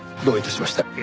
どういたしまして。